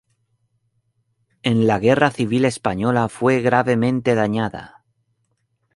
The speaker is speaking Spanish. En la Guerra Civil Española fue gravemente dañada.